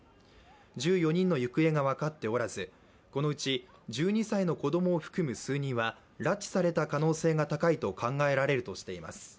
１４人の行方が分かっておらずこのうち１２歳の子供を含む数人は拉致された可能性が高いと考えられるとしています。